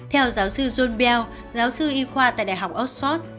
theo giáo sư john bell giáo sư y khoa tại đại học oxford